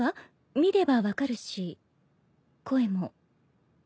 見れば分かるし声も。